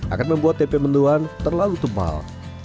akan membuat tempe mendoan terlalu tebal